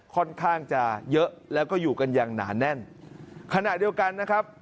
ค่อนข้างจะเยอะแล้วก็อยู่กันอย่างหนาแน่นขณะเดียวกันนะครับ